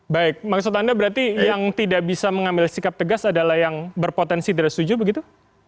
baik maksud anda berarti yang tidak bisa mengambil sikap tegas adalah yang berpotensi tidak setuju begitu